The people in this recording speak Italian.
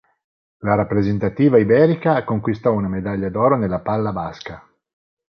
La rappresentativa iberica conquistò una medaglia d'oro nella palla basca.